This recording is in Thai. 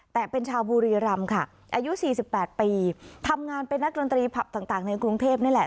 แต่เป็นชาวบุรีรำค่ะอายุ๔๘ปีทำงานเป็นนักดนตรีผับต่างในกรุงเทพนี่แหละ